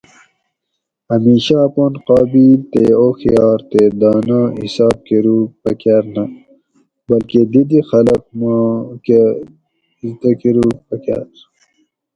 ھمیشہ اپان قابل تے اوخیار تے دانہ حساب کروگ پکاۤر نہ بلکہ دی دی خلق ما کہ اِزدہ کۤروگ پکاۤر